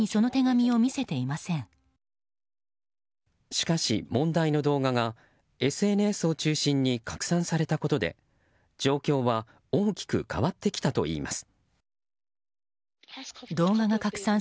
しかし問題の動画がＳＮＳを中心に拡散されたことで状況は大きく変わってきたといいます。